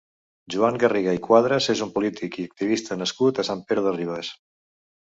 Joan Garriga i Quadres és un polític i activista nascut a Sant Pere de Ribes.